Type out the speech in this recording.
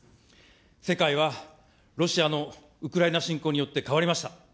世界はロシアのウクライナ侵攻によって変わりました。